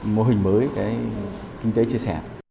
mô hình mới để kinh tế chia sẻ